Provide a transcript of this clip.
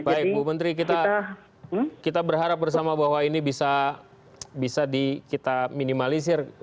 baik bu menteri kita berharap bersama bahwa ini bisa kita minimalisir